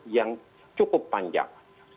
yang cukup panjang